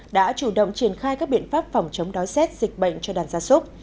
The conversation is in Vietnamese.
đã chủ động triển khai các biện pháp phòng chống đói rét dịch bệnh cho đàn gia súc